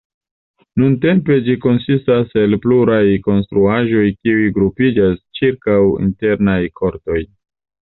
Nuntempe ĝi konsistas el pluraj konstruaĵoj kiuj grupiĝas ĉirkaŭ internaj kortoj.